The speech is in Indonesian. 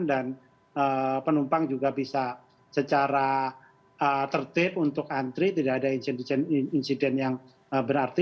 dan penumpang juga bisa secara tertib untuk antri tidak ada insiden yang berarti